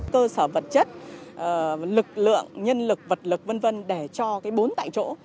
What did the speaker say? cơ sở vật chất lực lượng nhân lực vật lực v v để cho bốn tại chỗ